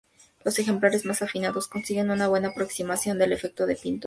Los ejemplares más afinados consiguen una buena aproximación del efecto de la pintura.